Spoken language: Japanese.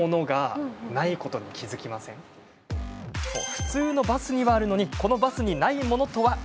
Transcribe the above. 普通のバスにはあるのにこのバスにないものとは？